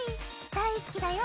大好きだよ。